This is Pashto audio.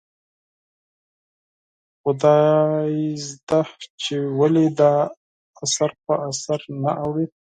خدایزده چې ولې دا اثر په اثر نه اوړي ؟